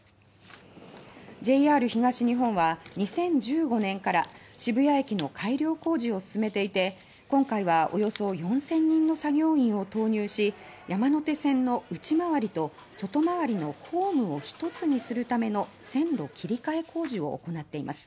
ＪＲ東日本は２０１５年から渋谷駅の改良工事を進めていて今回はおよそ４０００人の作業員を投入し山手線の内回りと外回りのホームを一つにするための線路切替工事を行っています。